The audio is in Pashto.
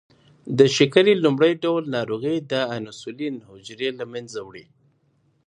د شکر لومړی ډول ناروغي د انسولین حجرې له منځه وړي.